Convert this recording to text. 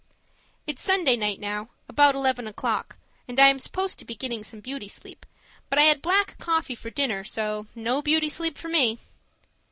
It's Sunday night now, about eleven o'clock, and I am supposed to be getting some beauty sleep, but I had black coffee for dinner, so no beauty sleep for me!